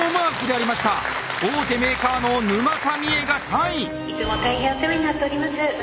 いつも大変お世話になっております。